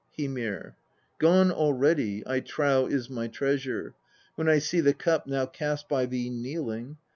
Hymir. 33. ' Gone already I trow is my treasure, when I see the cup now cast by thee kneeling.'